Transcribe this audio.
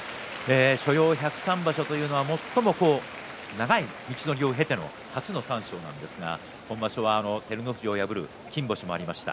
所要１０３場所というのは最も長い道のりを経ての初の三賞なんですが今場所は照ノ富士を破る金星もありました。